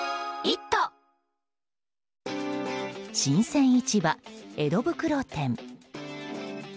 新鮮市場江戸袋店。